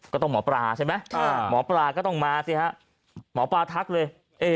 หมอปลาใช่ไหมหมอปลาก็ต้องมาสิฮะหมอปลาทักเลย